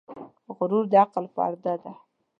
غرور د عقل پرده ده .